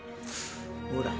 ほら。